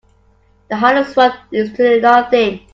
The hardest work is to do nothing.